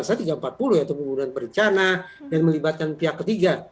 yaitu pembunuhan perencanaan yang melibatkan pihak ketiga